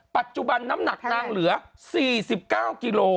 ปัจจุบันน้ำหนักนางเหลือ๔๙กิโล